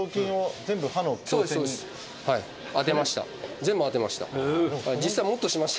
全部充てました。